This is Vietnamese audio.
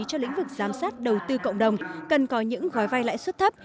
cho lĩnh vực giám sát đầu tư cộng đồng cần có những gói vai lãi xuất thấp